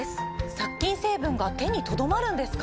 殺菌成分が手にとどまるんですか？